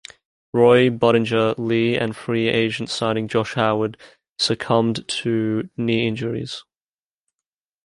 Roy, Budinger, Lee and free agent signing Josh Howard succumbed to knee injuries.